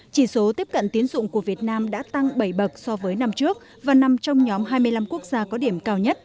chỉ số tiếp cận tiến dụng của việt nam đã tăng bảy bậc so với năm trước và nằm trong nhóm hai mươi năm quốc gia có điểm cao nhất